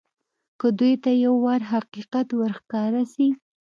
که دوى ته يو وار حقيقت ورښکاره سي.